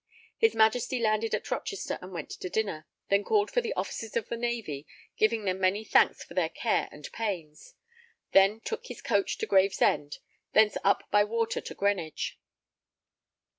His Majesty landed at Rochester and went to dinner; then called for the Officers of the Navy, giving them many thanks for their care and pains; then took his coach to Gravesend, thence up by water to Greenwich.